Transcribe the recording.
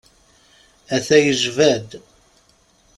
A-t-a yejba-d.